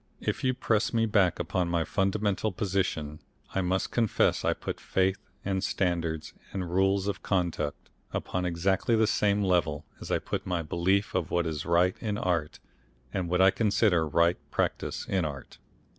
If you press me back upon my fundamental position I must confess I put faith and standards and rules of conduct upon exactly the same level as I put my belief of what is right in art, and what I consider right practice in art.